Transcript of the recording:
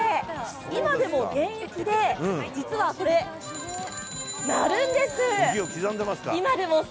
今でも現役で、実はこれ、鳴るんです。